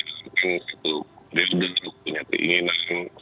pertama periode itu punya keinginan